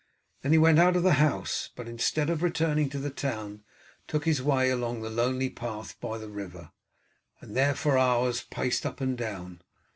Then he went out of the house, but instead of returning to the town took his way to the lonely path by the river, and there for hours paced up and down.